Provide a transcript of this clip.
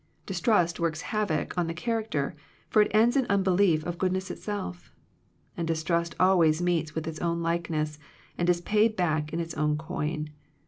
Distrust works havoc on the character; for it ends in unbelief of good ness itself. And distrust always meets with its own likeness, and is paid back in its own coin.